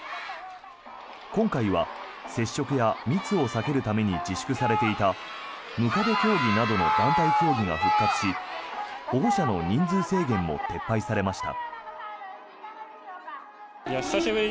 今回は接触や密を避けるために自粛されていたムカデ競技などの団体競技が復活し保護者の人数制限も撤廃されました。